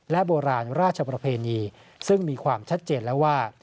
โบราณราชประเพณีซึ่งมีความชัดเจนแล้วว่า